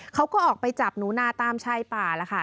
เขาก็ออกไปจับหนูนาตามชายป่าแล้วค่ะ